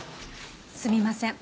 すみません。